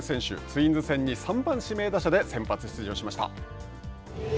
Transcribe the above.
ツインズ戦に３番指名打者で先発出場しました。